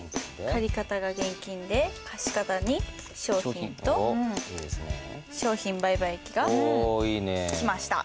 借方が現金で貸方に商品と商品売買益が来ました。